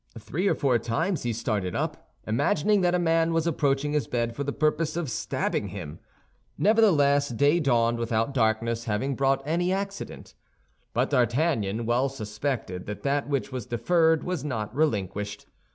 Three or four times he started up, imagining that a man was approaching his bed for the purpose of stabbing him. Nevertheless, day dawned without darkness having brought any accident. But D'Artagnan well suspected that that which was deferred was not relinquished.